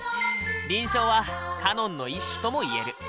輪唱はカノンの一種とも言える。